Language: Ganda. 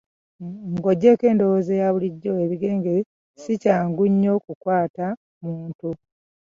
Ng'oggyeeko endowooza eya bulijjo, ebigenge si kyangu nnyo kukwata muntu